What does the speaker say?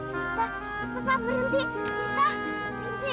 sita papa berhenti